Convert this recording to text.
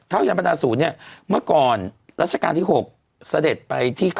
ยามประดาศูนย์เนี่ยเมื่อก่อนรัชกาลที่๖เสด็จไปที่